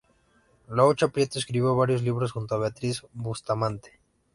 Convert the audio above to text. Laucha Prieto escribió varios libros junto a Beatriz Bustamante.